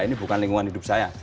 ini bukan lingkungan hidup saya